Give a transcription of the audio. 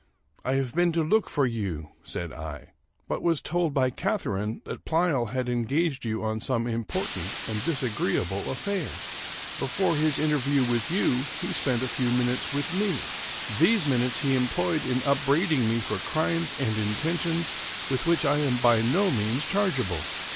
" I have been to look for you," said I, " but was told by Catharine that Pleyel had engaged you on some im portant and disagreeable aflfair. Before his interview with you he spent a few minutes with me. These minutes he employed in upbraiding me for crimes and intentions with which I am by no means chargeable.